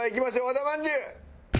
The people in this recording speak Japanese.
和田まんじゅう。